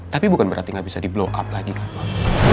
tapi bukan berarti gak bisa di blow up lagi kan om